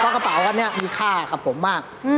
กระเป๋ากับนี้มีค่ากับผมมาก